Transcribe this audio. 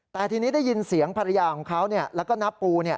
แต่ทีนี้ได้ยินเสียงภรรยาของเขาแล้วก็น้าปู